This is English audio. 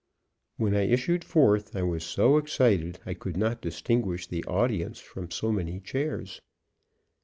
When I issued forth, I was so excited I could not distinguish the audience from so many chairs.